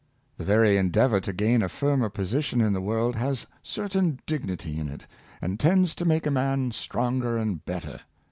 The very endeavor to gain a firmer position in the world has a certain dignity in it, and tends to make a man stronger and better.